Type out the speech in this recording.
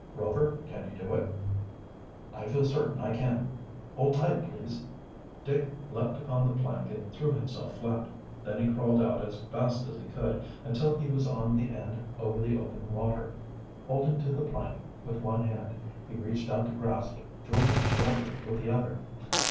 "Rover, can you do it?" "I feel certain I can. Hold tight, please." Dick leaped upon the plank and threw himself flat. Then he crawled out as fast as he could, until he was on the end over the open water. Holding to the plank with one hand he reached out to grasp George's shoulder with the other.